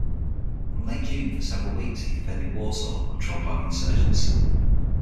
From late June, for several weeks, he defended Warsaw, controlled by the insurgents.